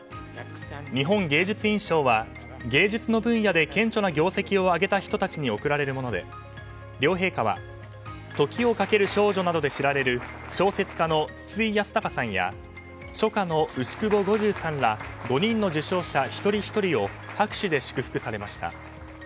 日本芸術院賞は芸術の分野で顕著な業績を挙げた人たちに贈られるもので両陛下は「時をかける少女」などで知られる小説家の筒井康隆さんや書家の牛窪梧十さんら５人の受賞者一人ひとりを拍手で祝福されました。